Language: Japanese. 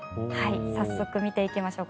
早速見ていきましょう。